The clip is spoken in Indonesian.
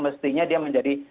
mestinya dia menjadi